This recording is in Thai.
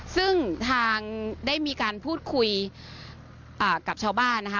ซึ่งทางได้มีการพูดคุยกับชาวบ้านนะคะ